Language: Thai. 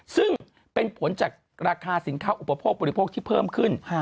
ซึ่งเป็นผลจากราคาสินค้าอุปโภคบริโภคที่เพิ่มขึ้น